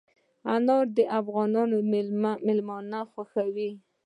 انار د افغاني مېلمنو خوښه ده.